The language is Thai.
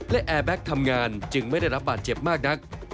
และแอร์แบ็คทำงานจึงไม่ได้รับบาดเจ็บมากนัก